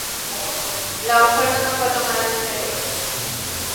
La oferta no fue tomada en serio.